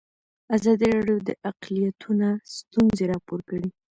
ازادي راډیو د اقلیتونه ستونزې راپور کړي.